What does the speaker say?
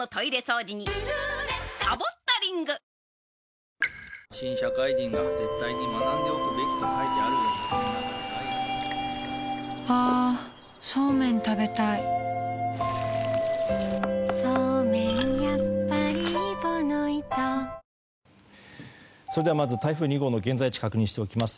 わかるぞまず台風２号の現在地を確認しておきます。